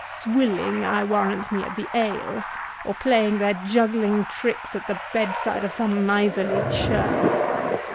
—Swilling, I warrant me, at the ale, or playing their juggling tricks at the bedside of some miserly churl.